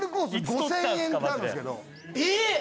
５０００円ってあるんですけど。